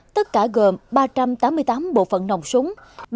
tất cả gồm ba trăm tám mươi tám bộ phận nồng súng